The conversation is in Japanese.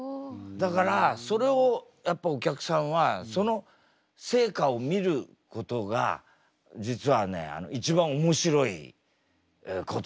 だからそれをやっぱお客さんはその成果を見ることが実はね一番面白いことなんだよ。